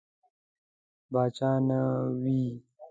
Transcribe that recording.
پاچا نه وي.